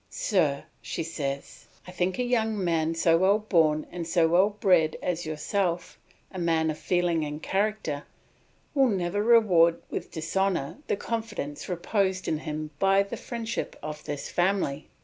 "Sir," she says, "I think a young man so well born and well bred as yourself, a man of feeling and character, would never reward with dishonour the confidence reposed in him by the friendship of this family.